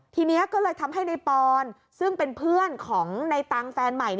ทีนี้ก็เลยทำให้ในปอนซึ่งเป็นเพื่อนของในตังค์แฟนใหม่